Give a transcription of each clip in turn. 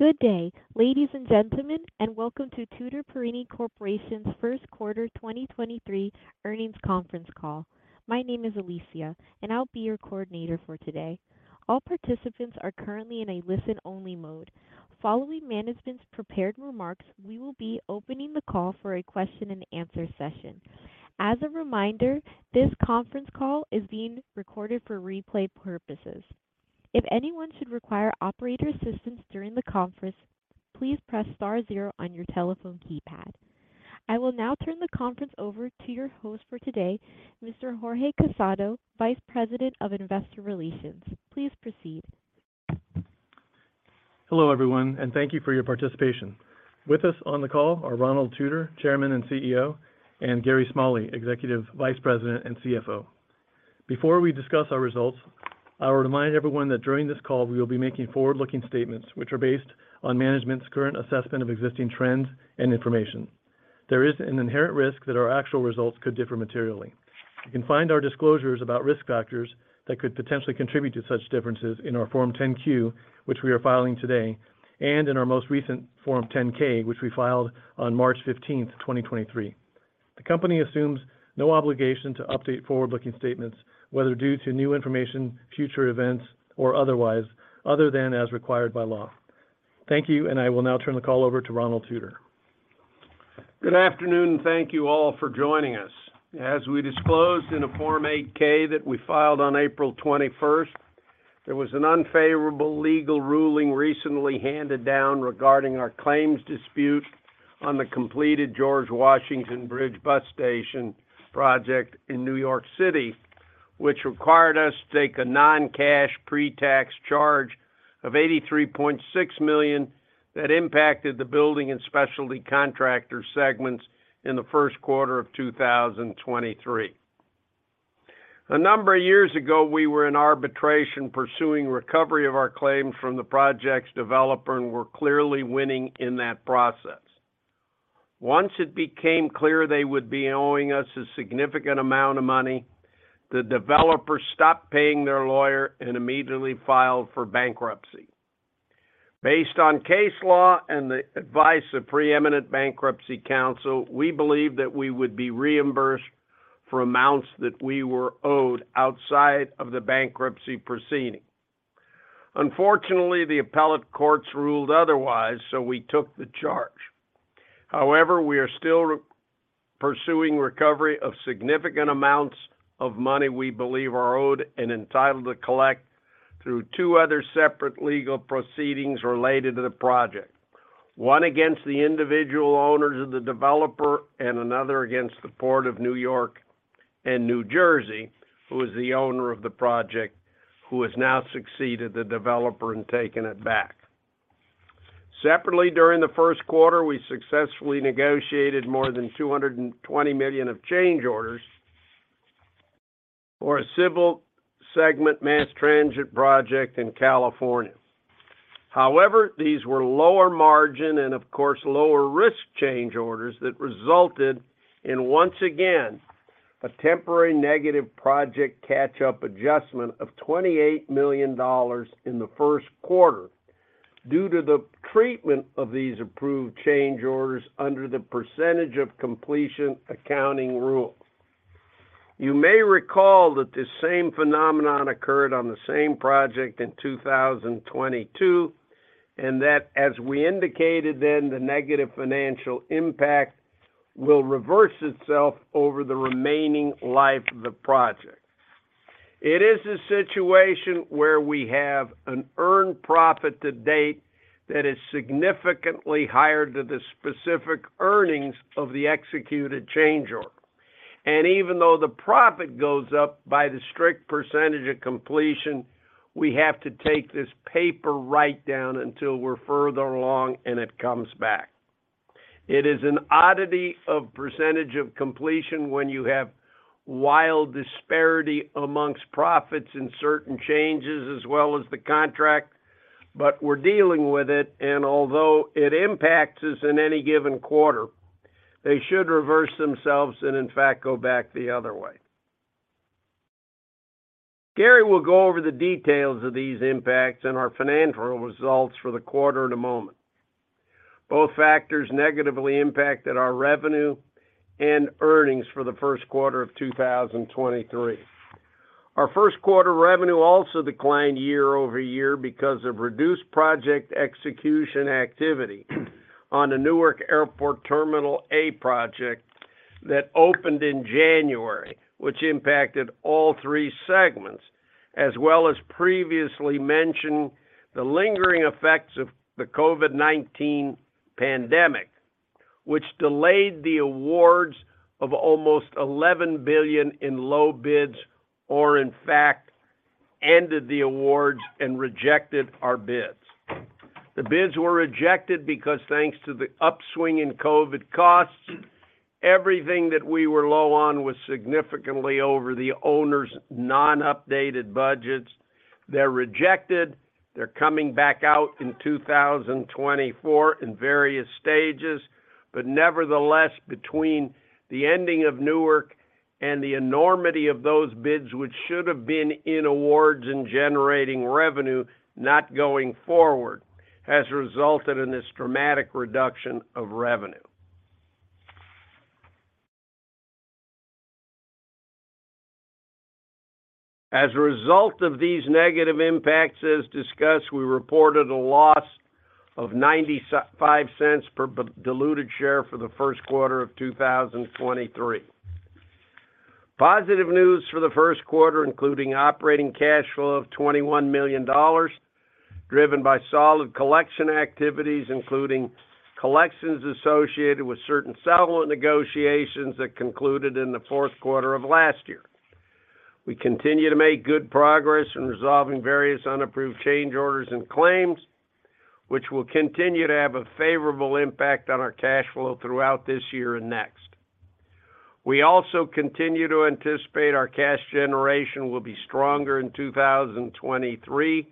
Good day, ladies and gentlemen, welcome to Tutor Perini Corporation's first quarter 2023 earnings conference call. My name is Alicia, and I'll be your coordinator for today. All participants are currently in a listen-only mode. Following management's prepared remarks, we will be opening the call for a question and answer session. As a reminder, this conference call is being recorded for replay purposes. If anyone should require operator assistance during the conference, please press star zero on your telephone keypad. I will now turn the conference over to your host for today, Mr. Jorge Casado, Vice President of Investor Relations. Please proceed. Hello, everyone, and thank you for your participation. With us on the call are Ronald Tutor, Chairman and CEO, and Gary Smalley, Executive Vice President and CFO. Before we discuss our results, I would remind everyone that during this call, we will be making forward-looking statements, which are based on management's current assessment of existing trends and information. There is an inherent risk that our actual results could differ materially. You can find our disclosures about risk factors that could potentially contribute to such differences in our Form 10-Q, which we are filing today, and in our most recent Form 10-K, which we filed on March 15th, 2023. The company assumes no obligation to update forward-looking statements, whether due to new information, future events, or otherwise, other than as required by law. Thank you, I will now turn the call over to Ronald Tutor. Good afternoon. Thank you all for joining us. As we disclosed in a Form 8-K that we filed on April 21st, there was an unfavorable legal ruling recently handed down regarding our claims dispute on the completed George Washington Bridge Bus Station project in New York City, which required us to take a non-cash pre-tax charge of $83.6 million that impacted the building and specialty contractor segments in the 1st quarter of 2023. A number of years ago, we were in arbitration pursuing recovery of our claims from the project's developer and were clearly winning in that process. Once it became clear they would be owing us a significant amount of money, the developer stopped paying their lawyer and immediately filed for bankruptcy. Based on case law and the advice of preeminent bankruptcy counsel, we believe that we would be reimbursed for amounts that we were owed outside of the bankruptcy proceeding. Unfortunately, the appellate courts ruled otherwise, so we took the charge. However, we are still pursuing recovery of significant amounts of money we believe are owed and entitled to collect through two other separate legal proceedings related to the project, one against the individual owners of the developer and another against the Port of New York and New Jersey, who is the owner of the project, who has now succeeded the developer and taken it back. Separately, during the first quarter, we successfully negotiated more than $220 million of change orders for a civil segment mass transit project in California. These were lower margin and of course, lower risk change orders that resulted in once again, a temporary negative project catch-up adjustment of $28 million in the first quarter due to the treatment of these approved change orders under the percentage of completion accounting rule. You may recall that this same phenomenon occurred on the same project in 2022, that, as we indicated then, the negative financial impact will reverse itself over the remaining life of the project. It is a situation where we have an earned profit to date that is significantly higher than the specific earnings of the executed change order. Even though the profit goes up by the strict percentage of completion, we have to take this paper right down until we're further along and it comes back. It is an oddity of percentage of completion when you have wild disparity amongst profits in certain changes as well as the contract, but we're dealing with it, and although it impacts us in any given quarter, they should reverse themselves and in fact, go back the other way. Gary will go over the details of these impacts and our financial results for the quarter in a moment. Both factors negatively impacted our revenue and earnings for the first quarter of 2023. Our first quarter revenue also declined year-over-year because of reduced project execution activity on the Newark Airport Terminal A project that opened in January, which impacted all three segments, as well as previously mentioned, the lingering effects of the COVID-19 pandemic, which delayed the awards of almost $11 billion in low bids, or in fact, ended the awards and rejected our bids. The bids were rejected because thanks to the upswing in COVID costs, everything that we were low on was significantly over the owner's non-updated budgets. They're rejected. Nevertheless, between the ending of Newark and the enormity of those bids, which should have been in awards and generating revenue, not going forward, has resulted in this dramatic reduction of revenue. As a result of these negative impacts, as discussed, we reported a loss of $0.95 per diluted share for the first quarter of 2023. Positive news for the first quarter, including operating cash flow of $21 million, driven by solid collection activities, including collections associated with certain settlement negotiations that concluded in the fourth quarter of last year. We continue to make good progress in resolving various unapproved change orders and claims, which will continue to have a favorable impact on our cash flow throughout this year and next. We also continue to anticipate our cash generation will be stronger in 2023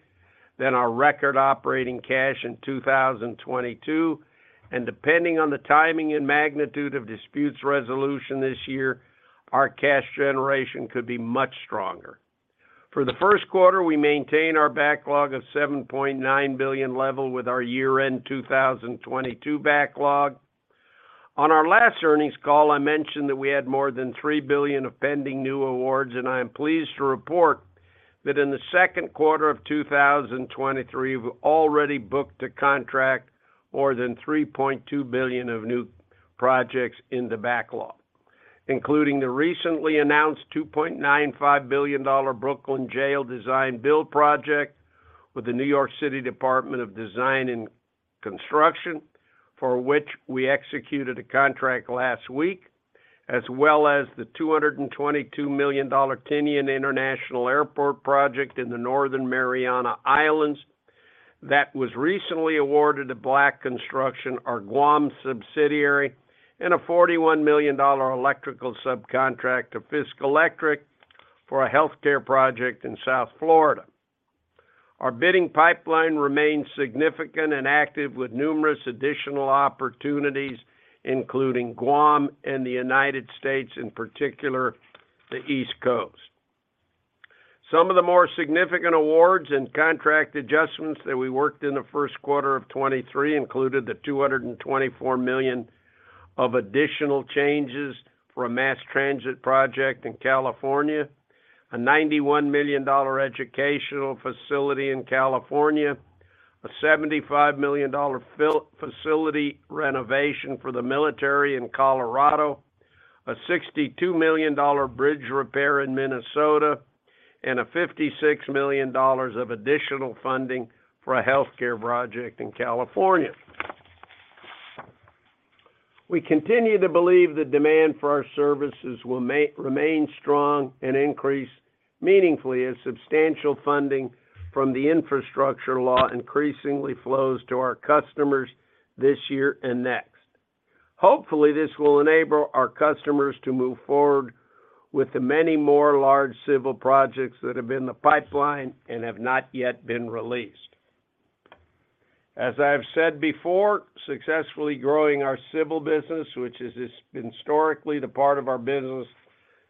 than our record operating cash in 2022. Depending on the timing and magnitude of disputes resolution this year, our cash generation could be much stronger. For the first quarter, we maintain our backlog of $7.9 billion level with our year-end 2022 backlog. On our last earnings call, I mentioned that we had more than $3 billion of pending new awards, and I am pleased to report that in the second quarter of 2023, we've already booked a contract more than $3.2 billion of new projects in the backlog. Including the recently announced $2.95 billion Brooklyn Jail design-build project with the New York City Department of Design and Construction, for which we executed a contract last week, as well as the $222 million Tinian International Airport project in the Northern Mariana Islands that was recently awarded to Black Construction, our Guam subsidiary, and a $41 million electrical subcontract to Fisk Electric for a healthcare project in South Florida. Our bidding pipeline remains significant and active with numerous additional opportunities, including Guam and the United States, in particular, the East Coast. Some of the more significant awards and contract adjustments that we worked in the first quarter of 2023 included the $224 million of additional changes for a mass transit project in California, a $91 million educational facility in California, a $75 million facility renovation for the military in Colorado, a $62 million bridge repair in Minnesota, and $56 million of additional funding for a healthcare project in California. We continue to believe the demand for our services will remain strong and increase meaningfully as substantial funding from the Bipartisan Infrastructure Law increasingly flows to our customers this year and next. Hopefully, this will enable our customers to move forward with the many more large civil projects that have been in the pipeline and have not yet been released. As I have said before, successfully growing our civil business, which is historically the part of our business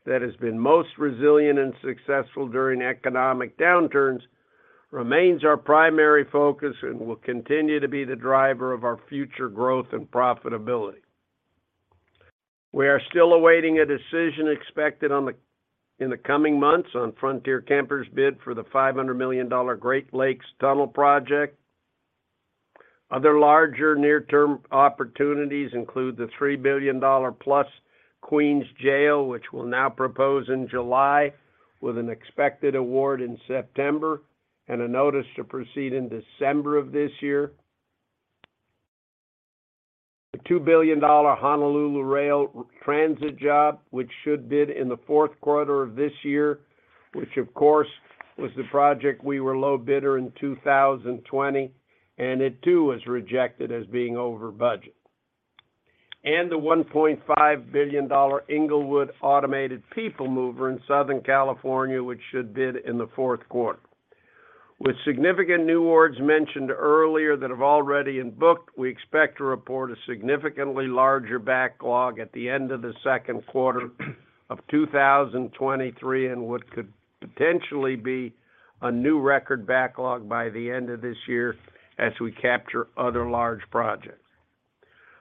that has been most resilient and successful during economic downturns, remains our primary focus and will continue to be the driver of our future growth and profitability. We are still awaiting a decision expected in the coming months on Frontier-Kemper's bid for the $500 million Great Lakes Tunnel project. Other larger near-term opportunities include the $3 billion plus Queens Jail, which we'll now propose in July with an expected award in September and a notice to proceed in December of this year. The $2 billion Honolulu Rail Transit job, which should bid in the fourth quarter of this year, which of course, was the project we were low bidder in 2020, it too was rejected as being over budget. The $1.5 billion Inglewood Automated People Mover in Southern California, which should bid in the fourth quarter. With significant new awards mentioned earlier that have already been booked, we expect to report a significantly larger backlog at the end of the second quarter of 2023 and what could potentially be a new record backlog by the end of this year as we capture other large projects.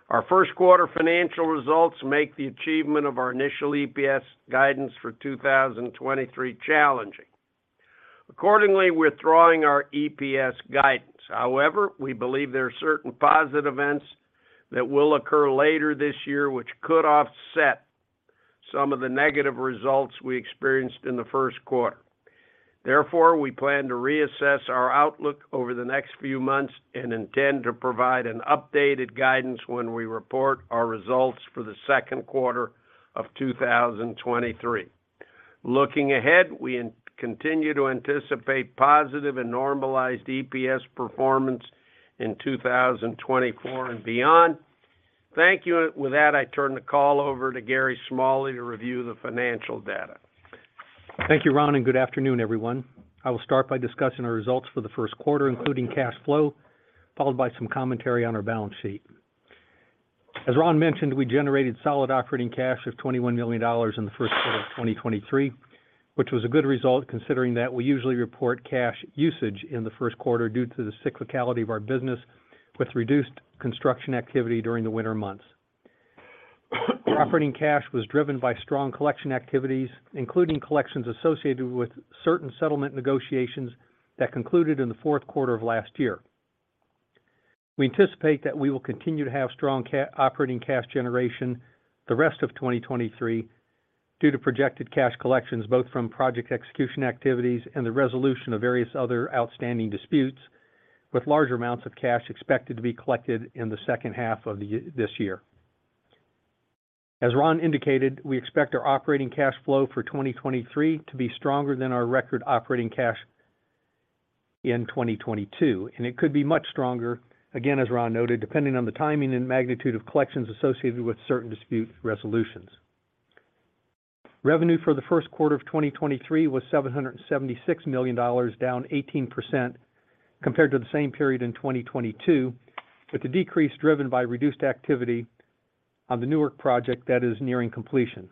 Our first quarter financial results make the achievement of our initial EPS guidance for 2023 challenging. Accordingly, we're withdrawing our EPS guidance. However, we believe there are certain positive events that will occur later this year, which could offset some of the negative results we experienced in the first quarter. We plan to reassess our outlook over the next few months and intend to provide an updated guidance when we report our results for the second quarter of 2023. Looking ahead, we continue to anticipate positive and normalized EPS performance in 2024 and beyond. Thank you. With that, I turn the call over to Gary Smalley to review the financial data. Thank you, Ron. Good afternoon, everyone. I will start by discussing our results for the first quarter, including cash flow, followed by some commentary on our balance sheet. As Ron mentioned, we generated solid operating cash of $21 million in the first quarter of 2023, which was a good result considering that we usually report cash usage in the first quarter due to the cyclicality of our business with reduced construction activity during the winter months. Operating cash was driven by strong collection activities, including collections associated with certain settlement negotiations that concluded in the fourth quarter of last year. We anticipate that we will continue to have strong operating cash generation the rest of 2023 due to projected cash collections, both from project execution activities and the resolution of various other outstanding disputes, with large amounts of cash expected to be collected in the second half of this year. As Ron indicated, we expect our operating cash flow for 2023 to be stronger than our record operating cash in 2022, and it could be much stronger, again, as Ron noted, depending on the timing and magnitude of collections associated with certain dispute resolutions. Revenue for the first quarter of 2023 was $776 million, down 18% compared to the same period in 2022, with the decrease driven by reduced activity on the Newark project that is nearing completion,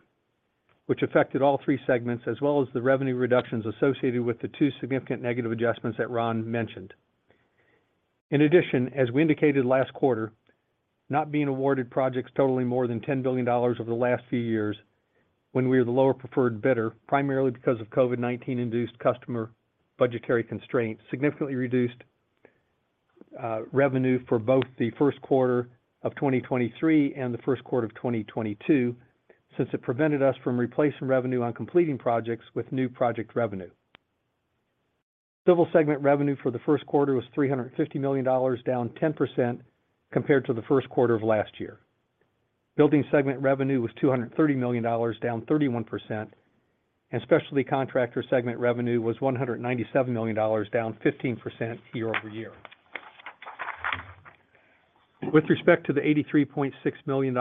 which affected all three segments as well as the revenue reductions associated with the two significant negative adjustments that Ron mentioned. As we indicated last quarter, not being awarded projects totaling more than $10 billion over the last few years when we are the lower preferred bidder, primarily because of COVID-19-induced customer budgetary constraints, significantly reduced revenue for both the first quarter of 2023 and the first quarter of 2022, since it prevented us from replacing revenue on completing projects with new project revenue. Civil segment revenue for the first quarter was $350 million, down 10% compared to the first quarter of last year. Building segment revenue was $230 million, down 31%, and Specialty Contractor segment revenue was $197 million, down 15% year-over-year. With respect to the $83.6 million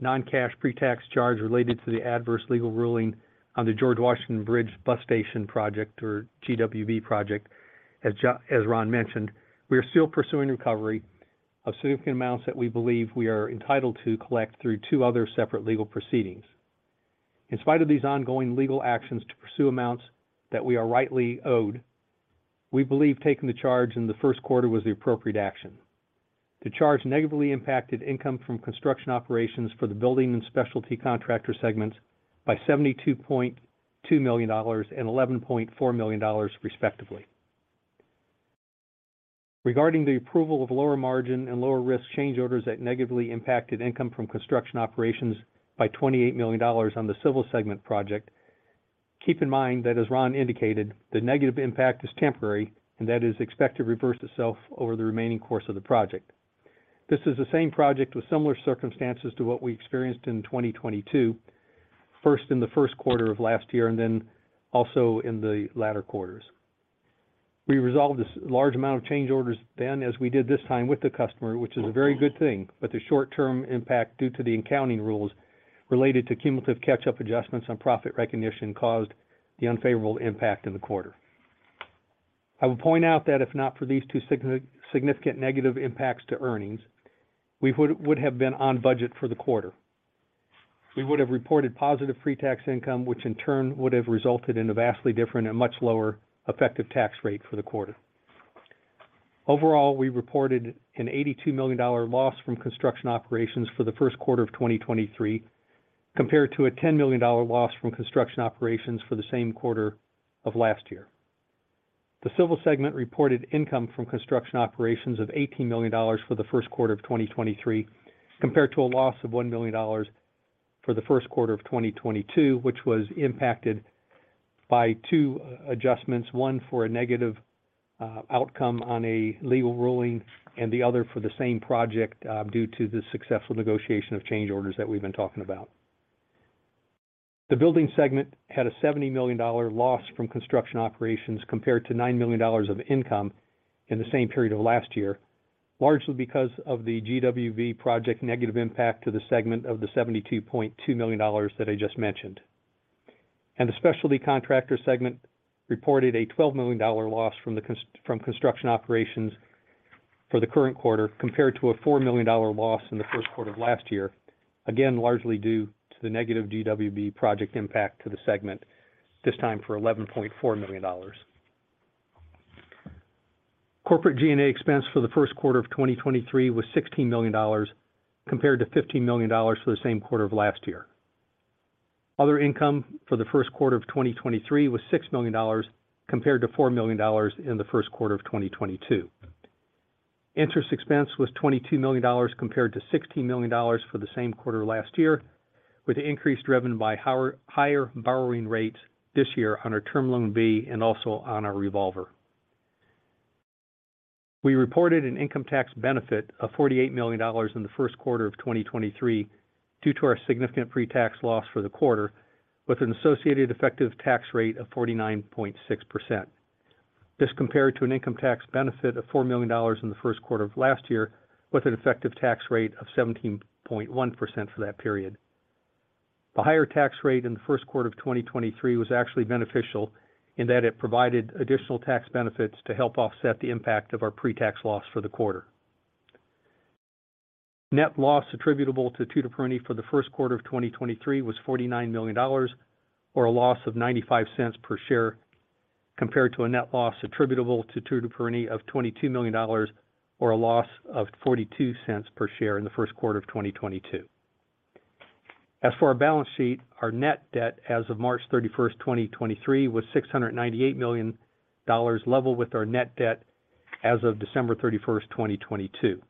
non-cash pre-tax charge related to the adverse legal ruling on the George Washington Bridge Bus Station project, or GWB project, as Ron mentioned, we are still pursuing recovery of significant amounts that we believe we are entitled to collect through 2 other separate legal proceedings. In spite of these ongoing legal actions to pursue amounts that we are rightly owed, we believe taking the charge in the first quarter was the appropriate action. The charge negatively impacted income from construction operations for the building and specialty contractor segments by $72.2 million and $11.4 million respectively. Regarding the approval of lower margin and lower risk change orders that negatively impacted income from construction operations by $28 million on the civil segment project, keep in mind that, as Ron indicated, the negative impact is temporary, and that is expected to reverse itself over the remaining course of the project. This is the same project with similar circumstances to what we experienced in 2022, first in the first quarter of last year and then also in the latter quarters. We resolved this large amount of change orders then, as we did this time, with the customer, which is a very good thing, but the short-term impact due to the accounting rules related to cumulative catch-up adjustments on profit recognition caused the unfavorable impact in the quarter. I will point out that if not for these two significant negative impacts to earnings, we would have been on budget for the quarter. We would have reported positive pre-tax income, which in turn would have resulted in a vastly different and much lower effective tax rate for the quarter. Overall, we reported an $82 million loss from construction operations for the first quarter of 2023, compared to a $10 million loss from construction operations for the same quarter of last year. The civil segment reported income from construction operations of $18 million for the first quarter of 2023, compared to a loss of $1 million for the first quarter of 2022, which was impacted by 2 adjustments, one for a negative outcome on a legal ruling and the other for the same project due to the successful negotiation of change orders that we've been talking about. The building segment had a $70 million loss from construction operations compared to $9 million of income in the same period of last year, largely because of the GWB project negative impact to the segment of the $72.2 million that I just mentioned. The specialty contractor segment reported a $12 million loss from construction operations for the current quarter compared to a $4 million loss in the first quarter of last year, again, largely due to the negative GWB project impact to the segment, this time for $11.4 million. Corporate G&A expense for the first quarter of 2023 was $16 million compared to $15 million for the same quarter of last year. Other income for the first quarter of 2023 was $6 million compared to $4 million in the first quarter of 2022. Interest expense was $22 million compared to $16 million for the same quarter last year, with the increase driven by higher borrowing rates this year on our Term Loan B and also on our revolver. We reported an income tax benefit of $48 million in the first quarter of 2023 due to our significant pre-tax loss for the quarter, with an associated effective tax rate of 49.6%. This compared to an income tax benefit of $4 million in the first quarter of last year with an effective tax rate of 17.1% for that period. The higher tax rate in the first quarter of 2023 was actually beneficial in that it provided additional tax benefits to help offset the impact of our pre-tax loss for the quarter. Net loss attributable to Tutor Perini for the first quarter of 2023 was $49 million or a loss of $0.95 per share compared to a net loss attributable to Tutor Perini of $22 million or a loss of $0.42 per share in the first quarter of 2022. As for our balance sheet, our net debt as of March thirty-first, 2023 was $698 million level with our net debt as of December thirty-first, 2022.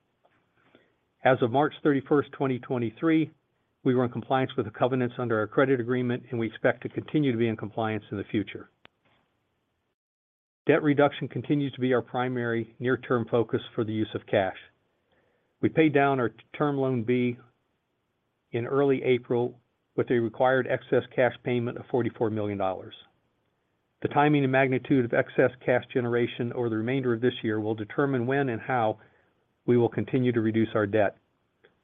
As of March thirty-first, 2023, we were in compliance with the covenants under our credit agreement, we expect to continue to be in compliance in the future. Debt reduction continues to be our primary near-term focus for the use of cash. We paid down our Term Loan B in early April with a required excess cash payment of $44 million. The timing and magnitude of excess cash generation over the remainder of this year will determine when and how we will continue to reduce our debt.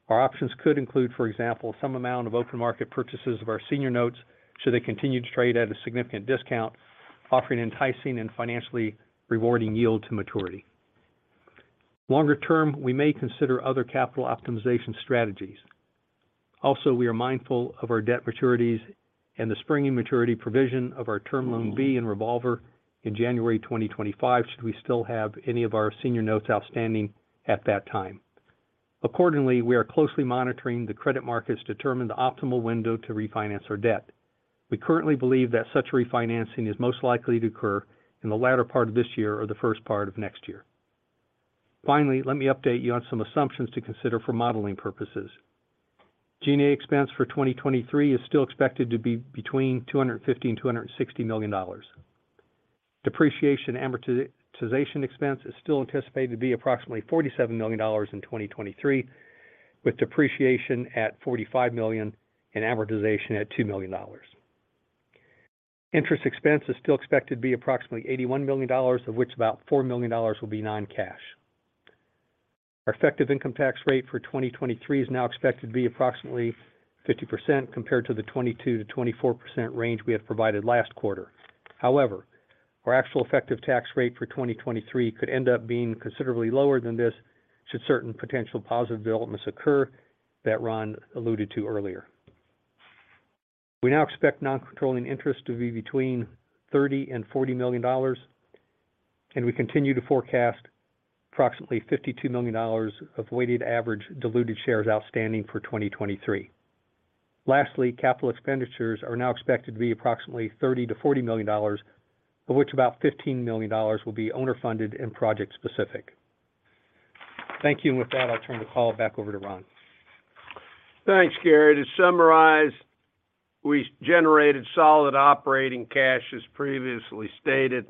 Our options could include, for example, some amount of open market purchases of our senior notes should they continue to trade at a significant discount, offering enticing and financially rewarding yield to maturity. Longer term, we may consider other capital optimization strategies. We are mindful of our debt maturities and the springing maturity provision of our Term Loan B and revolver in January 2025 should we still have any of our senior notes outstanding at that time. We are closely monitoring the credit markets to determine the optimal window to refinance our debt. We currently believe that such refinancing is most likely to occur in the latter part of this year or the first part of next year. Finally, let me update you on some assumptions to consider for modeling purposes. G&A expense for 2023 is still expected to be between $250 million and $260 million. Depreciation amortization expense is still anticipated to be approximately $47 million in 2023, with depreciation at $45 million and amortization at $2 million. Interest expense is still expected to be approximately $81 million, of which about $4 million will be non-cash. Our effective income tax rate for 2023 is now expected to be approximately 50% compared to the 22%-24% range we had provided last quarter. However, our actual effective tax rate for 2023 could end up being considerably lower than this should certain potential positive developments occur that Ron alluded to earlier. We now expect non-controlling interest to be between $30 million-$40 million, and we continue to forecast approximately $52 million of weighted average diluted shares outstanding for 2023. Lastly, capital expenditures are now expected to be approximately $30 million-$40 million, of which about $15 million will be owner-funded and project-specific. Thank you. With that, I'll turn the call back over to Ron. Thanks, Gary. To summarize, we generated solid operating cash, as previously stated,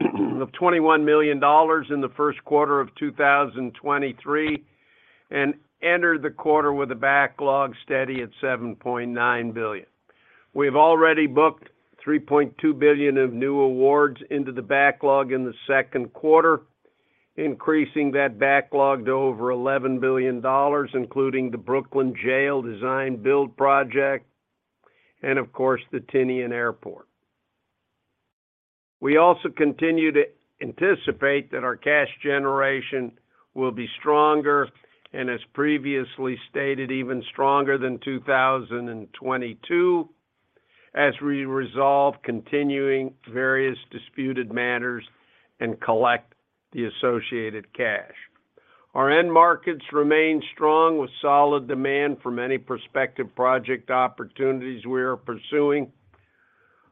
of $21 million in the first quarter of 2023 and entered the quarter with a backlog steady at $7.9 billion. We've already booked $3.2 billion of new awards into the backlog in the second quarter, increasing that backlog to over $11 billion, including the Brooklyn Jail design-build project and of course, the Tinian Airport. We also continue to anticipate that our cash generation will be stronger and as previously stated, even stronger than 2022 as we resolve continuing various disputed matters and collect the associated cash. Our end markets remain strong with solid demand from many prospective project opportunities we are pursuing,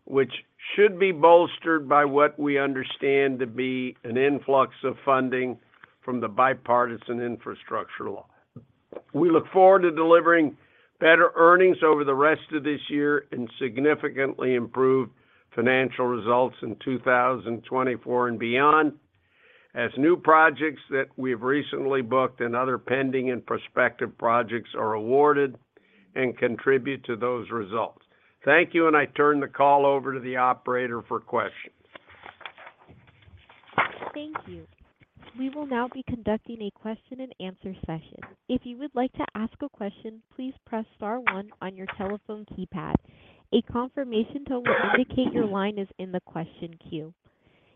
which should be bolstered by what we understand to be an influx of funding from the Bipartisan Infrastructure Law. We look forward to delivering better earnings over the rest of this year and significantly improved financial results in 2024 and beyond as new projects that we've recently booked and other pending and prospective projects are awarded and contribute to those results. Thank you. I turn the call over to the operator for questions. Thank you. We will now be conducting a question and answer session. If you would like to ask a question, please press star one on your telephone keypad. A confirmation tone will indicate your line is in the question queue.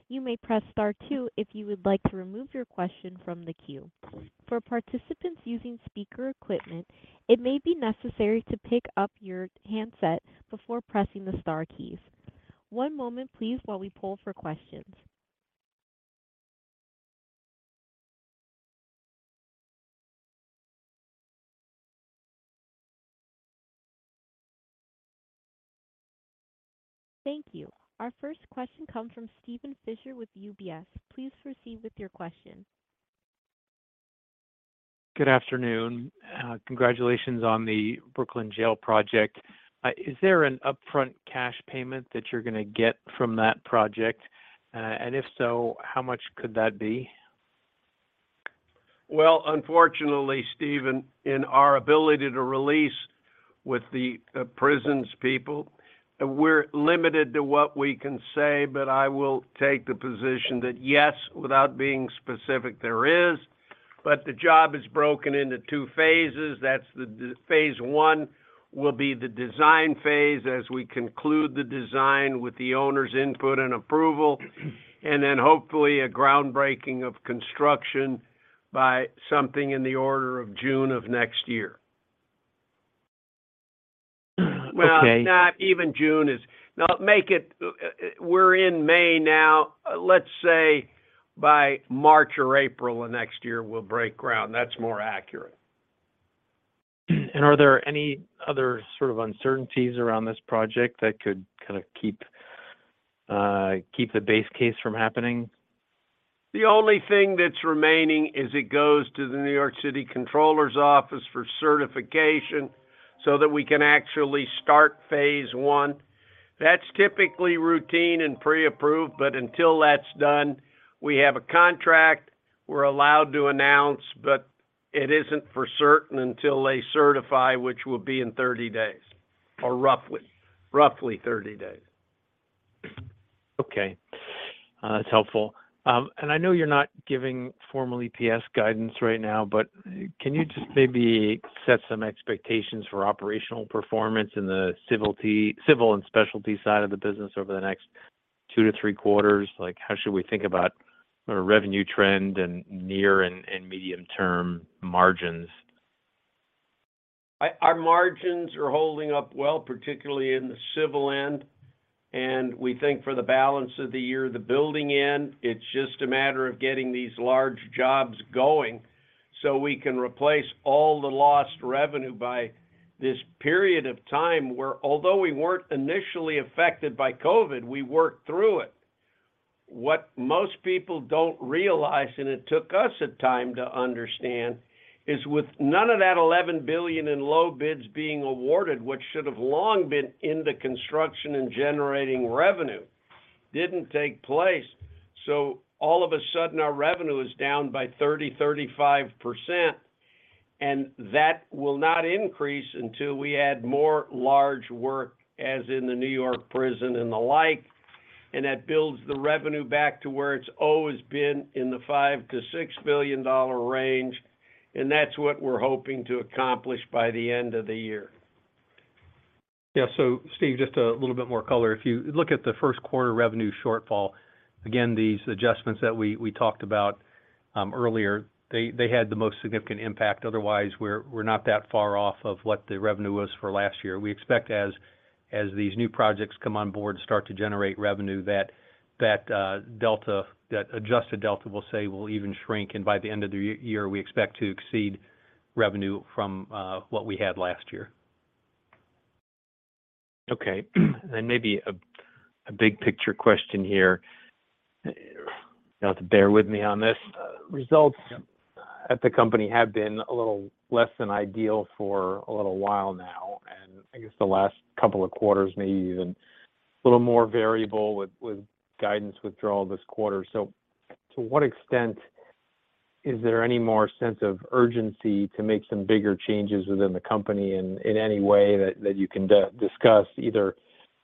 You may press star two if you would like to remove your question from the queue. For participants using speaker equipment, it may be necessary to pick up your handset before pressing the star keys. One moment please while we poll for questions. Thank you. Our first question comes from Steven Fisher with UBS. Please proceed with your question. Good afternoon. Congratulations on the Brooklyn Jail project. Is there an upfront cash payment that you're gonna get from that project? If so, how much could that be? Well, unfortunately, Steven, in our ability to release with the prisons people, we're limited to what we can say, but I will take the position that, yes, without being specific, there is. The job is broken into two phases. That's phase one will be the design phase as we conclude the design with the owner's input and approval. Hopefully a groundbreaking of construction by something in the order of June of next year. Okay. Well, not even June. No, make it, we're in May now. Let's say by March or April of next year we'll break ground. That's more accurate. Are there any other sort of uncertainties around this project that could kinda keep the base case from happening? The only thing that's remaining is it goes to the New York City Comptroller's Office for certification so that we can actually start phase 1. That's typically routine and pre-approved, but until that's done, we have a contract we're allowed to announce, but it isn't for certain until they certify, which will be in 30 days, or roughly 30 days. That's helpful. I know you're not giving formal EPS guidance right now, but can you just maybe set some expectations for operational performance in the civil and specialty side of the business over the next 2-3 quarters? Like, how should we think about sort of revenue trend and near and medium-term margins? Our margins are holding up well, particularly in the civil end. We think for the balance of the year, the building end, it's just a matter of getting these large jobs going so we can replace all the lost revenue by this period of time where although we weren't initially affected by COVID, we worked through it. What most people don't realize, and it took us a time to understand, is with none of that $11 billion in low bids being awarded, which should have long been in the construction and generating revenue, didn't take place. All of a sudden, our revenue is down by 30%-35%, and that will not increase until we add more large work, as in the New York prison and the like, and that builds the revenue back to where it's always been in the $5 billion-$6 billion range, and that's what we're hoping to accomplish by the end of the year. Steve, just a little bit more color. If you look at the first quarter revenue shortfall, again, these adjustments that we talked about earlier, they had the most significant impact. Otherwise, we're not that far off of what the revenue was for last year. We expect as these new projects come on board start to generate revenue, that delta, that adjusted delta will say will even shrink. By the end of the year, we expect to exceed revenue from what we had last year. Okay. Maybe a big picture question here. You'll have to bear with me on this. Yep. Results at the company have been a little less than ideal for a little while now. I guess the last couple of quarters, maybe even a little more variable with guidance withdrawal this quarter. To what extent is there any more sense of urgency to make some bigger changes within the company in any way that you can discuss either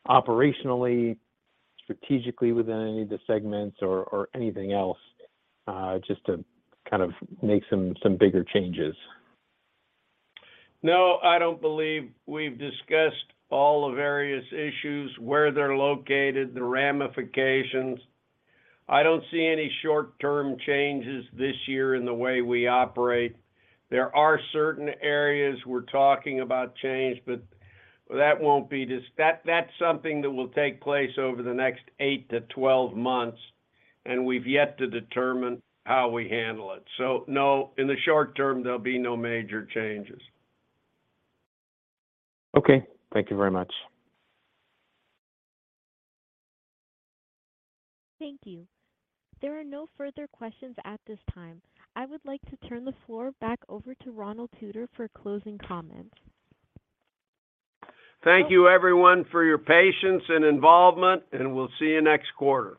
operationally, strategically within any of the segments or anything else, just to kind of make some bigger changes? I don't believe we've discussed all the various issues, where they're located, the ramifications. I don't see any short-term changes this year in the way we operate. There are certain areas we're talking about change, but that won't be that's something that will take place over the next 8 to 12 months, and we've yet to determine how we handle it. In the short term, there'll be no major changes. Okay. Thank you very much. Thank you. There are no further questions at this time. I would like to turn the floor back over to Ronald Tutor for closing comments. Thank you, everyone, for your patience and involvement, and we'll see you next quarter.